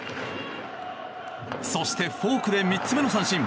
そして、フォークで３つ目の三振。